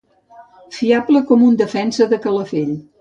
Fiable com un defensa de Calafell.